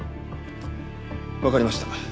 わかりました。